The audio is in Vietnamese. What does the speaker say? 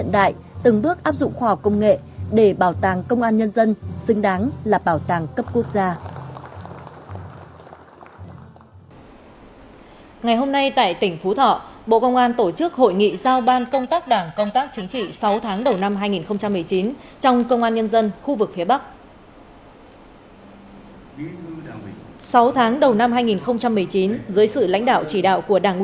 đại từng bước áp dụng khoa học công nghệ để bảo tàng công an nhân dân xứng đáng là bảo tàng cấp quốc gia